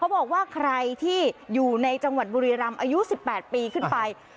เขาบอกว่าใครที่อยู่ในจังหวัดบุรีรัมพ์อายุสิบแปดปีขึ้นไป